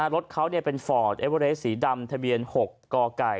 รถเขาเป็นฟอร์ดเอเวอเรสสีดำทะเบียน๖กไก่